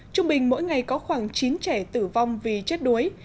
trung bình mỗi ngày có khoảng chín trẻ tử vong vì chết đuối